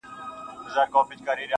زه يې په هر ټال کي اویا زره غمونه وينم,